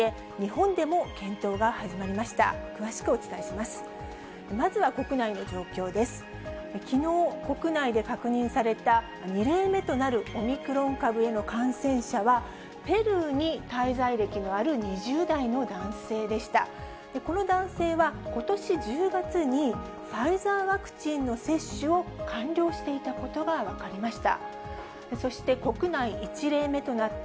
この男性は、ことし１０月にファイザーワクチンの接種を完了していたことが分かりました。